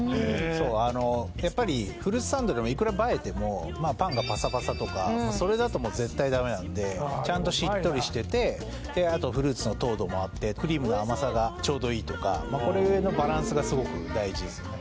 そうあのやっぱりフルーツサンドでもいくら映えてもまあパンがパサパサとかそれだともう絶対ダメなんでちゃんとしっとりしててであとフルーツの糖度もあってクリームの甘さがちょうどいいとかこれのバランスがスゴく大事ですね